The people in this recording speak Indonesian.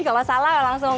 kalau salah langsung